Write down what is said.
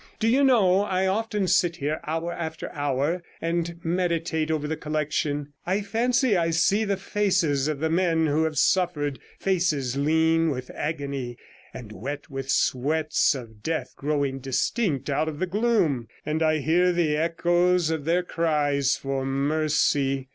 Do you know, I often sit here, hour after hour, and meditate over the collection. I fancy I see the faces of the men who have suffered, faces lean with agony, and wet with sweats of death growing distinct out of the gloom, and I hear the echoes of their cries for mercy.